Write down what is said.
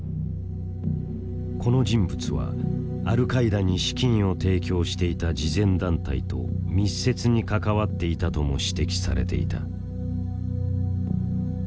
この人物はアルカイダに資金を提供していた慈善団体と密接に関わっていたとも指摘されていた。